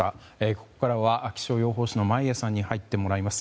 ここからは気象予報士の眞家さんに入ってもらいます。